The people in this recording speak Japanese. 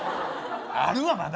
あるわまだ！